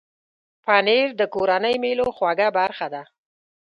پنېر د کورنۍ مېلو خوږه برخه ده.